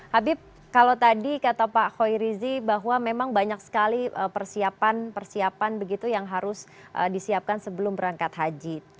habib kalau tadi kata pak khoirizi bahwa memang banyak sekali persiapan persiapan begitu yang harus disiapkan sebelum berangkat haji